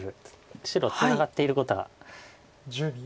白ツナがっていることは。